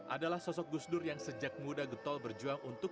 adalah sosok gusdur yang sejak muda getol berjuang untuk